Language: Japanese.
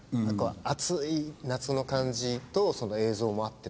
暑い夏の感じと映像も合ってたし。